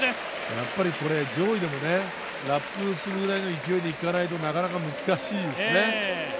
やっぱりこれ、上位でもね、ラップするぐらいの勢いでいかないと、なかなか難しいですね。